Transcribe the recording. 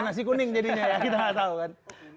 nasi kuning jadinya ya kita gak tau kan